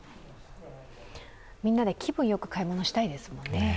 みんなで気分よく買い物したいですもんね。